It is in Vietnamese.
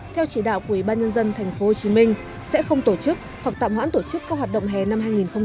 theo chỉ đạo của ủy ban nhân dân tp hcm sẽ không tổ chức hoặc tạm hoãn tổ chức các hoạt động hè năm hai nghìn hai mươi